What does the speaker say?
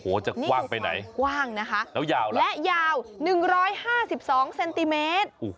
โหจะกว้างไปไหนแล้วยาวละและยาว๑๕๒เซนติเมตร